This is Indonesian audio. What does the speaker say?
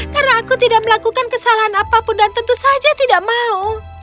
karena aku tidak melakukan kesalahan apapun dan tentu saja tidak mau